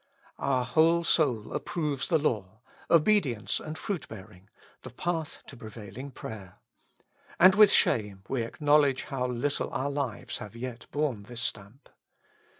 Our whole soul approves the law : obedi ence and fruit bearing, the path to prevailing prayer. And with shame we acknowledge how little our lives have yet borne this stamp.